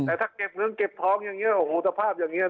แต่ถ้าเก็บเงินเก็บทองอย่างนี้โอ้โหสภาพอย่างนี้